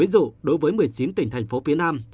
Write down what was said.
đối với một mươi chín tỉnh thành phố phía nam